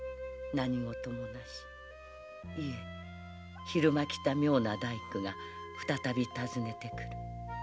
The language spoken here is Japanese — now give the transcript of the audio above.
何事もなしいえ昼間来た妙な大工が再び訪ねてくる。